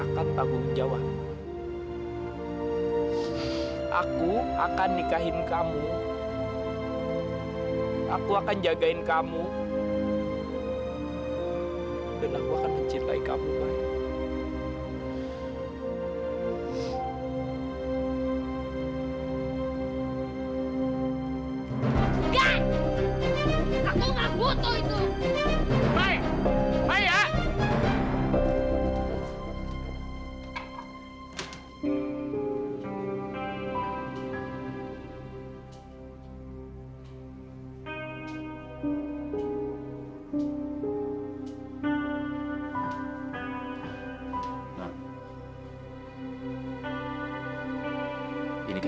sampai jumpa di video selanjutnya